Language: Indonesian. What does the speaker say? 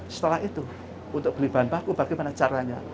setelah itu untuk beli bahan baku bagaimana caranya